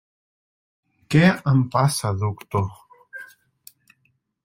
Què em passa, doctor?